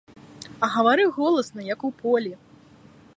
А гаварыў голасна, як у полі.